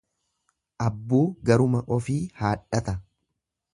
Abbuu garuma ufii haadhata.